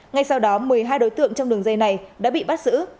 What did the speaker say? ngay sau đó một mươi hai đối tượng trong đường dây này đã bị bắt giữ